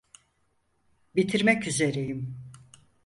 Bitirmek üzereyim.